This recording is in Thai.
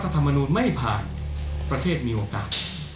ถ้ารัฐธรรมนูนไม่ผ่านประเทศมีโอกาส